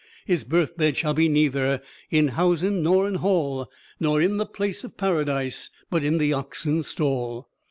"His birth bed shall be neither In housen nor in hall, Nor in the place of paradise, But in the oxen's stall.